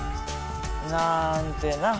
なんてな。